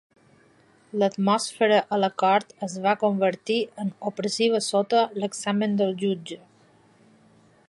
L'atmosfera a la cort es va convertir en opressiva sota l'examen del jutge.